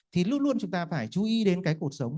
thì luôn luôn chúng ta phải chú ý đến cái cuộc sống